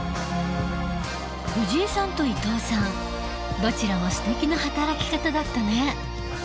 藤井さんと伊藤さんどちらもすてきな働き方だったね。